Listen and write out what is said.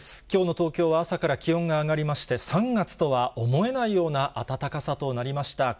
きょうの東京は朝から気温が上がりまして、３月とは思えないような暖かさとなりました。